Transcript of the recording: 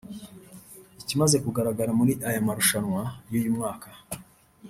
Ikimaze kugararaga muri aya marushanwa y’uyu mwaka